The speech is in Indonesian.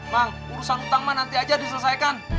bang urusan utang ma nanti aja diselesaikan